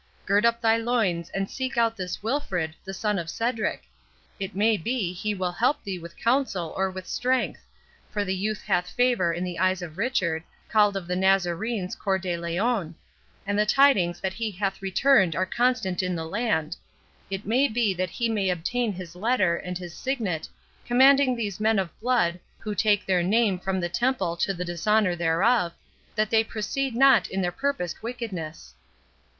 Gird up thy loins, and seek out this Wilfred, the son of Cedric. It may be he will help thee with counsel or with strength; for the youth hath favour in the eyes of Richard, called of the Nazarenes Cœur de Lion, and the tidings that he hath returned are constant in the land. It may be that he may obtain his letter, and his signet, commanding these men of blood, who take their name from the Temple to the dishonour thereof, that they proceed not in their purposed wickedness."